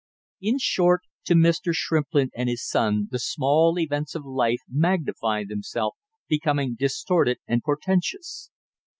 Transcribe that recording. In short, to Mr. Shrimplin and his son the small events of life magnified themselves, becoming distorted and portentous.